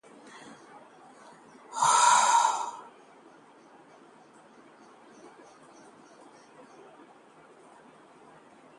नीतीश सरकार के लिए खुशनुमा एहसास